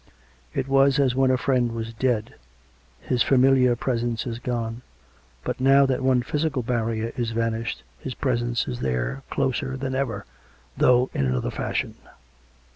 It was as when a friend was dead : his familiar presence is gone ; but now that one physical barrier is vanished, his presence is there, closer than ever, though in another fashion.